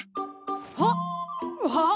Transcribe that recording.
はっ！はあ！？